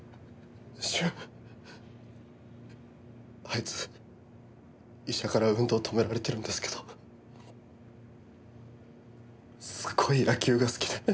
あいつ医者から運動止められてるんですけどすごい野球が好きで。